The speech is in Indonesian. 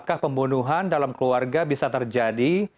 apakah pembunuhan dalam keluarga bisa terjadi